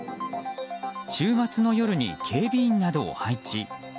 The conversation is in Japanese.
週末の夜に警備員などを配置。